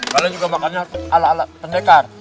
kalian juga makan ala ala pendekar